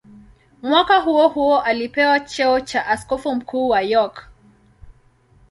Mwaka huohuo alipewa cheo cha askofu mkuu wa York.